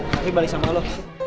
nanti balik sama lo